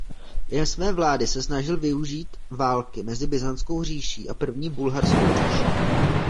Během své vlády se snažil využít války mezi Byzantskou říší a První bulharskou říší.